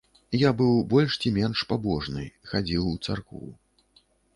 Я быў больш ці менш пабожны, хадзіў у царкву.